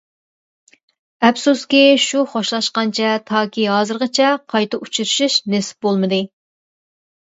ئەپسۇسكى، شۇ خوشلاشقانچە تاكى ھازىرغىچە قايتا ئۇچرىشىش نېسىپ بولمىدى.